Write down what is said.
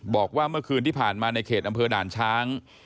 บอกว่าเมื่อคืนที่ผ่านมาในเขตอำเภอด่านช้าง